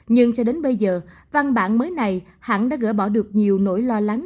nhưng cho đến bây giờ văn bản mới này hãng đã gỡ bỏ được nhiều nỗi lo lắng